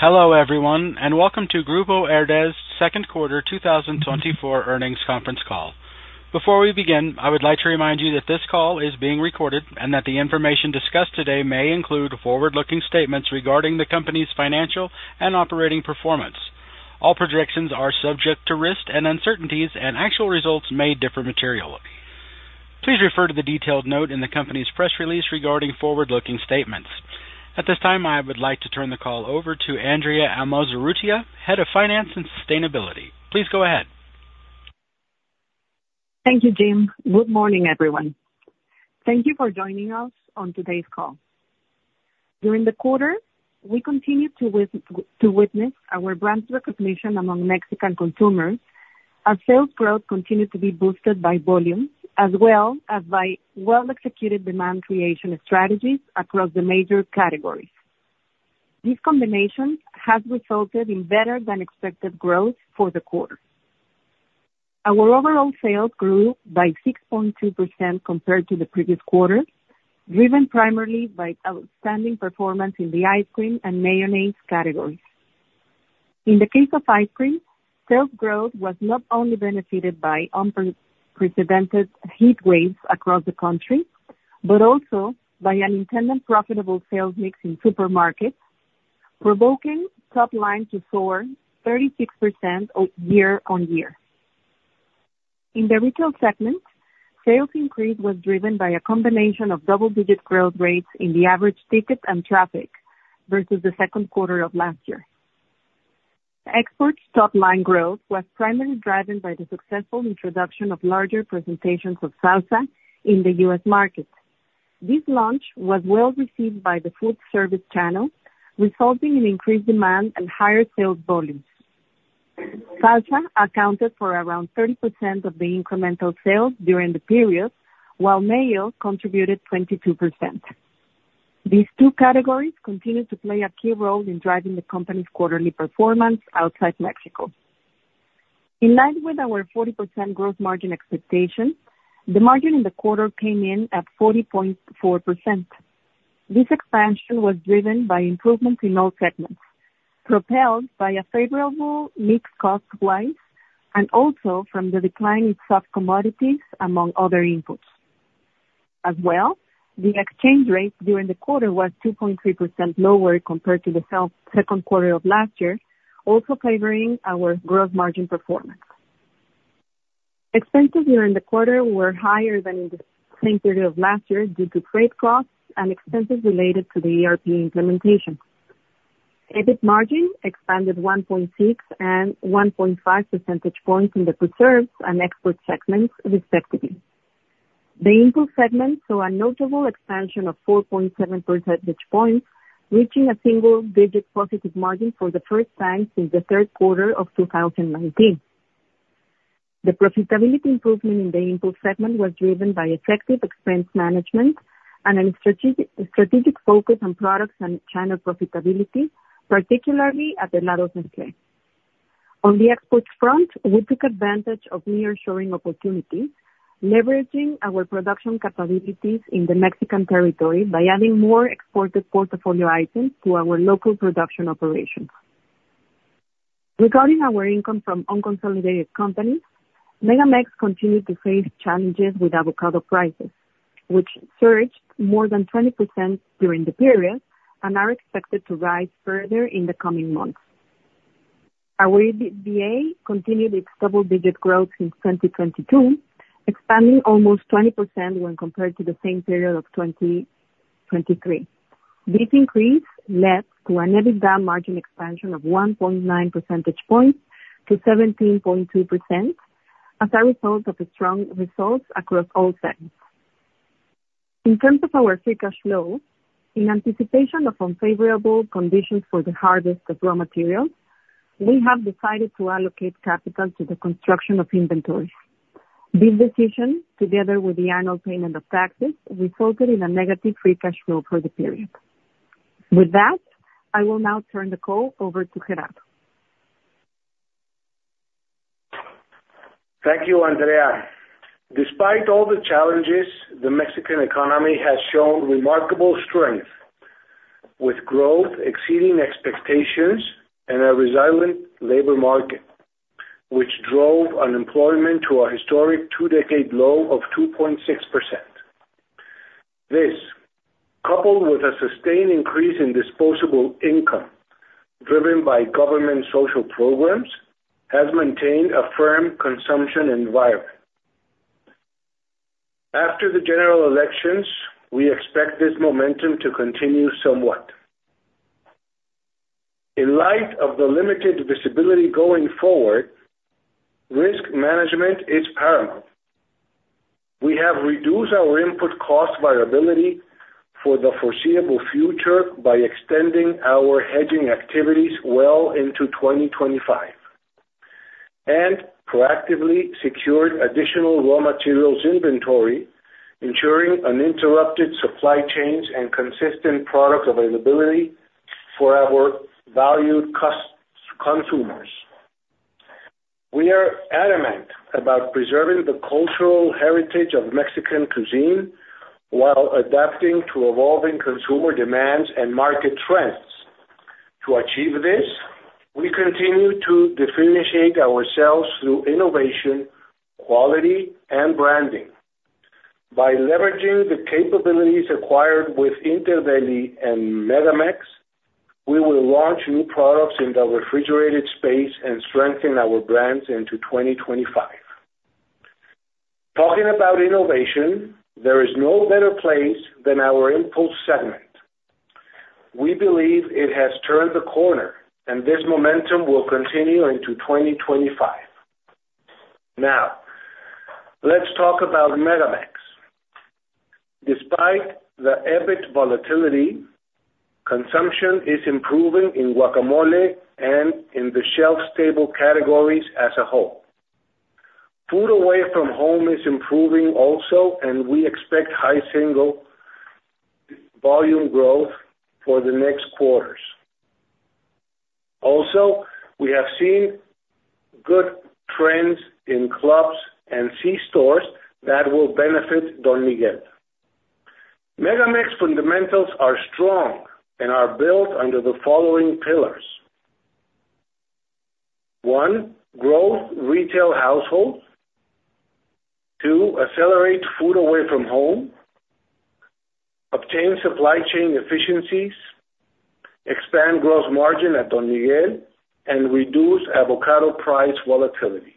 Hello everyone, and welcome to Grupo Herdez's Second Quarter 2024 Earnings Conference Call. Before we begin, I would like to remind you that this call is being recorded and that the information discussed today may include forward-looking statements regarding the company's financial and operating performance. All projections are subject to risk and uncertainties, and actual results may differ materially. Please refer to the detailed note in the company's press release regarding forward-looking statements. At this time, I would like to turn the call over to Andrea Amozurrutia, Head of Finance and Sustainability. Please go ahead. Thank you, Jim. Good morning, everyone. Thank you for joining us on today's call. During the quarter, we continue to witness our brand's recognition among Mexican consumers, as sales growth continues to be boosted by volumes as well as by well-executed demand creation strategies across the major categories. This combination has resulted in better-than-expected growth for the quarter. Our overall sales grew by 6.2% compared to the previous quarter, driven primarily by outstanding performance in the ice cream and mayonnaise categories. In the case of ice cream, sales growth was not only benefited by unprecedented heat waves across the country, but also by an intended profitable sales mix in supermarkets, provoking top line to soar 36% year-over-year. In the retail segment, sales increase was driven by a combination of double-digit growth rates in the average ticket and traffic versus the second quarter of last year. Exports top line growth was primarily driven by the successful introduction of larger presentations of salsa in the U.S. market. This launch was well received by the food service channel, resulting in increased demand and higher sales volumes. Salsa accounted for around 30% of the incremental sales during the period, while mayo contributed 22%. These two categories continue to play a key role in driving the company's quarterly performance outside Mexico. In line with our 40% gross margin expectation, the margin in the quarter came in at 40.4%. This expansion was driven by improvements in all segments, propelled by a favorable mix cost-wise and also from the decline in soft commodities among other inputs. As well, the exchange rate during the quarter was 2.3% lower compared to the second quarter of last year, also favoring our gross margin performance. Expenses during the quarter were higher than in the same period of last year due to freight costs and expenses related to the ERP implementation. EBIT margin expanded 1.6 and 1.5 percentage points in the Preserves and exports segments, respectively. The Impulse segment saw a notable expansion of 4.7 percentage points, reaching a single-digit positive margin for the first time since the third quarter of 2019. The profitability improvement in the Impulse segment was driven by effective expense management and a strategic focus on products and channel profitability, particularly at the Lagos de Moreno. On the exports front, we took advantage of near-shoring opportunities, leveraging our production capabilities in the Mexican territory by adding more exported portfolio items to our local production operations. Regarding our income from unconsolidated companies, MegaMex continued to face challenges with avocado prices, which surged more than 20% during the period and are expected to rise further in the coming months. Our EBITDA continued its double-digit growth since 2022, expanding almost 20% when compared to the same period of 2023. This increase led to an EBITDA margin expansion of 1.9 percentage points to 17.2% as a result of strong results across all segments. In terms of our free cash flow, in anticipation of unfavorable conditions for the harvest of raw materials, we have decided to allocate capital to the construction of inventories. This decision, together with the annual payment of taxes, resulted in a negative free cash flow for the period. With that, I will now turn the call over to Gerardo. Thank you, Andrea. Despite all the challenges, the Mexican economy has shown remarkable strength, with growth exceeding expectations and a resilient labor market, which drove unemployment to a historic two-decade low of 2.6%. This, coupled with a sustained increase in disposable income driven by government social programs, has maintained a firm consumption environment. After the general elections, we expect this momentum to continue somewhat. In light of the limited visibility going forward, risk management is paramount. We have reduced our input cost volatility for the foreseeable future by extending our hedging activities well into 2025, and proactively secured additional raw materials inventory, ensuring uninterrupted supply chains and consistent product availability for our valued consumers. We are adamant about preserving the cultural heritage of Mexican cuisine while adapting to evolving consumer demands and market trends. To achieve this, we continue to differentiate ourselves through innovation, quality, and branding. By leveraging the capabilities acquired with Interdeli and MegaMex, we will launch new products in the refrigerated space and strengthen our brands into 2025. Talking about innovation, there is no better place than our Impulse segment. We believe it has turned the corner, and this momentum will continue into 2025. Now, let's talk about MegaMex. Despite the EBIT volatility, consumption is improving in guacamole and in the shelf-stable categories as a whole. Food away from home is improving also, and we expect high single-volume growth for the next quarters. Also, we have seen good trends in clubs and C-stores that will benefit Don Miguel. MegaMex fundamentals are strong and are built under the following pillars: one, grow retail households; two, accelerate food away from home; obtain supply chain efficiencies; expand gross margin at Don Miguel; and reduce avocado price volatility.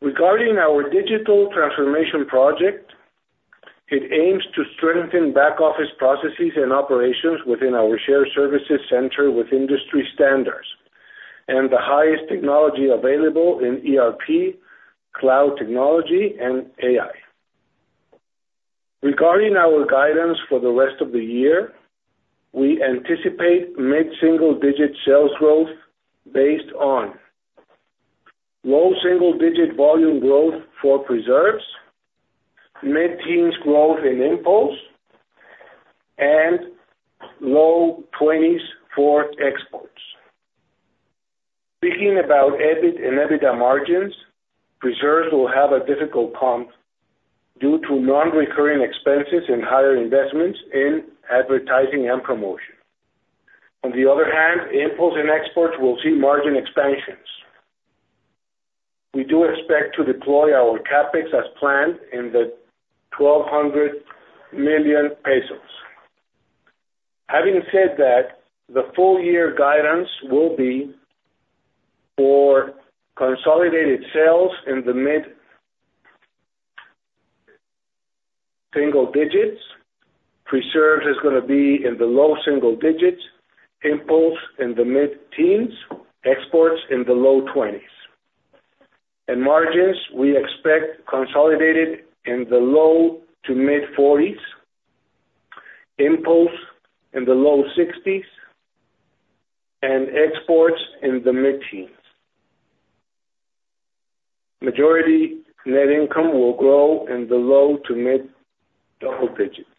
Regarding our digital transformation project, it aims to strengthen back-office processes and operations within our shared services center with industry standards and the highest technology available in ERP, cloud technology, and AI. Regarding our guidance for the rest of the year, we anticipate mid-single-digit sales growth based on low single-digit volume growth for preserves, mid-teens growth in Impulse, and low 20s for exports. Speaking about EBIT and EBITDA margins, preserves will have a difficult comp due to non-recurring expenses and higher investments in advertising and promotion. On the other hand, Impulse and exports will see margin expansions. We do expect to deploy our CapEx as planned in the 1,200 million pesos. Having said that, the full-year guidance will be for consolidated sales in the mid-single digits, preserves is going to be in the low single digits, Impulse in the mid-teens, exports in the low 20s. Margins, we expect consolidated in the low to mid-40s, Impulse in the low 60s, and exports in the mid-teens. Majority net income will grow in the low to mid-double digits.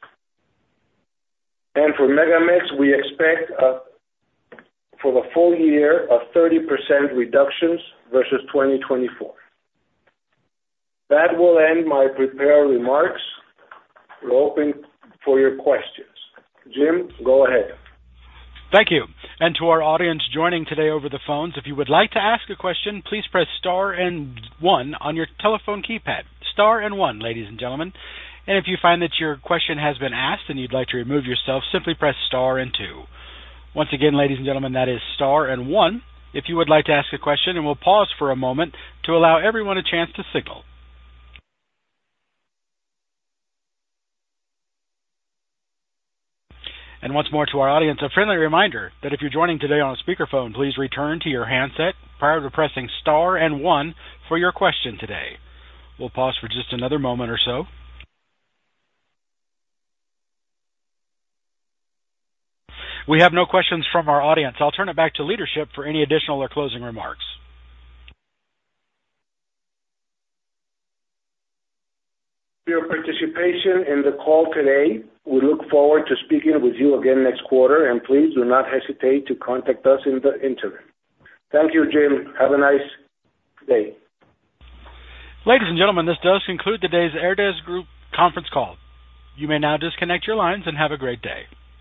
For MegaMex, we expect for the full year a 30% reduction versus 2024. That will end my prepared remarks. We're open for your questions. Jim, go ahead. Thank you. To our audience joining today over the phones, if you would like to ask a question, please press star and one on your telephone keypad. Star and one, ladies and gentlemen. If you find that your question has been asked and you'd like to remove yourself, simply press star and two. Once again, ladies and gentlemen, that is star and one. If you would like to ask a question, we'll pause for a moment to allow everyone a chance to signal. Once more to our audience, a friendly reminder that if you're joining today on a speakerphone, please return to your handset prior to pressing star and one for your question today. We'll pause for just another moment or so. We have no questions from our audience. I'll turn it back to leadership for any additional or closing remarks. Your participation in the call today. We look forward to speaking with you again next quarter, and please do not hesitate to contact us in the interim. Thank you, Jim. Have a nice day. Ladies and gentlemen, this does conclude today's Herdez Group conference call. You may now disconnect your lines and have a great day.